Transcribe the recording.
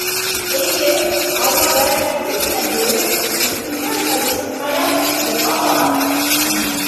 — Эйе, алла бәрәкәтен генә биреп, үҙебеҙгә генә ризыҡҡа яҙһын инде, балам, — тине.